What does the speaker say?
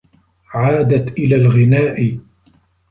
عادت إلى الغناء.